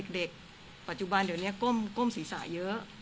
เด็กปัจจุบันเดี๋ยวนี้ก้มศีรษะเยอะ